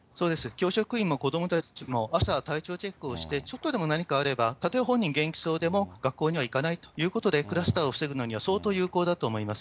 教職員も子どもたちも朝、体調チェックをして、ちょっとでも何かあれば、たとえ本人、元気そうでも、学校には行かないということで、クラスターを防ぐには、相当有効だと思います。